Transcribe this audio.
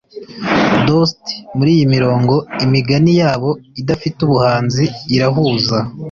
dost muriyi mirongo imigani yabo idafite ubuhanzi irahuza;